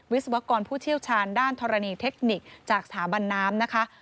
วิศวกรผู้เชี่ยวชาญด้านธรณีเทคนิคจากสถาบันน้ำนะคะ